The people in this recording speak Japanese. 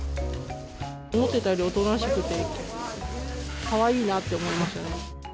思ってたよりおとなしくて、かわいいなと思いましたね。